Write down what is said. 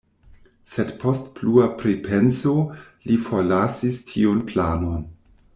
Sed post plua pripenso li forlasis tiun planon.